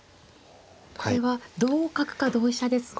これは同角か同飛車ですか。